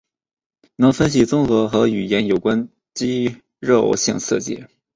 能分析综合与语言有关肌肉性刺激。